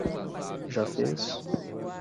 Já fez?